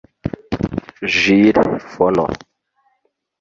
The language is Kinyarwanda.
Jules Fono